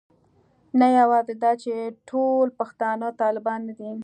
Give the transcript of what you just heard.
نه یوازې دا چې ټول پښتانه طالبان نه دي.